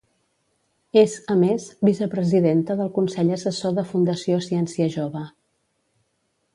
És, a més, vicepresidenta del Consell Assessor de Fundació Ciència Jove.